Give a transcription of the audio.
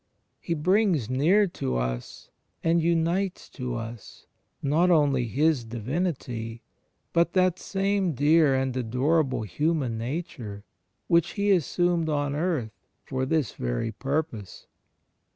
He brings near to us, and imites to us, not only His Divinity, but that same dear and adorable Human Nature which He assumed on earth for this very purpose.